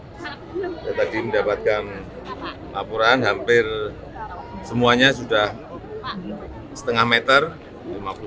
jadi kita sudah mendapatkan laporan hampir semuanya sudah setengah meter lima puluh cm